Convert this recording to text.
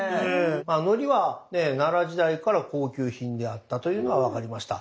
まあのりは奈良時代から高級品であったというのは分かりました。